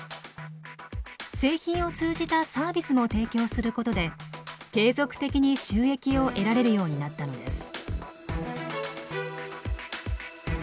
製品を通じたサービスも提供することで継続的に収益を得られるようになったのです。